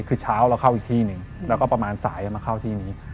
คือเช้าเราเข้าอีกที่หนึ่งแล้วก็ประมาณสายมาเข้าที่นี้